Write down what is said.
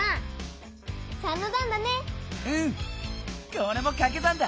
これもかけ算だ！